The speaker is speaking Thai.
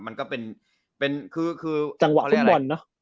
จังหวะคุมบ่อนนะ